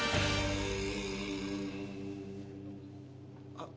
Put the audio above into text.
あっ。